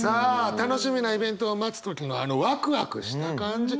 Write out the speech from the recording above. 楽しみなイベントを待つ時のあのワクワクした感じ。